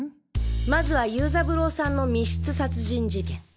まずは游三郎さんの密室殺人事件。